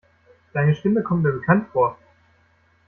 Deine Stimme kommt mir bekannt vor.